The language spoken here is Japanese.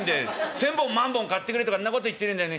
千本万本買ってくれとかんなこと言ってねんだよね。